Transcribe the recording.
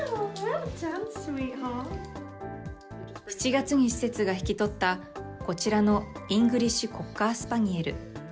７月に施設が引き取った、こちらのイングリッシュ・コッカー・スパニエル。